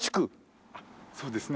そうですね。